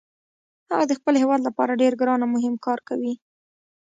هغه د خپل هیواد لپاره ډیر ګران او مهم کار کوي